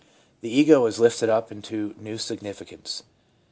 The ' ego ' is lifted up into neiv significance.